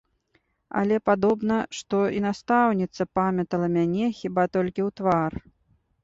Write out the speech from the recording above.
Але, падобна, што і настаўніца памятала мяне хіба толькі ў твар.